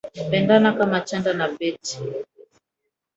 Pendana kama chanda na pete.